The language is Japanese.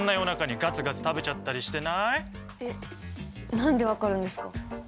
何で分かるんですか？